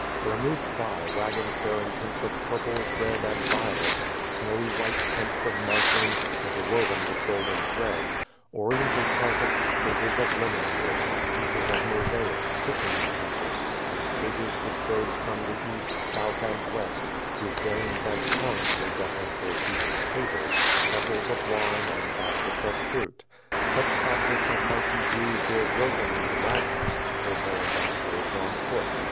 Tliere moved by wagons bearing tents of purple, red and violet, snowy white tents of muslin, interwoven with golden threads, oriental carpets, tables of lemon wood, pieces of mosaic, kitchen utensils, and cages with birds from the Kast, South and West, whose 1)rains and tongues were destined for Caesar's table, vessels of wine and baskets of fruit. Such ob jects as might be bruised or broken in the wagons, were borne by slaves on foot.